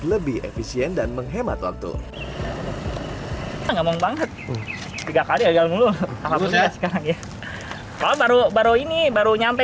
lebih efisien dan menghemat waktu ngomong banget tiga kali agak ngeluh kalau baru baru ini baru nyampe